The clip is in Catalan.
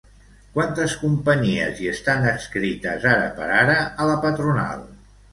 Quantes companyies hi estan adscrites ara per ara a la patronal?